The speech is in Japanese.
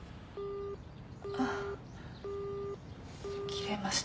あっ切れました。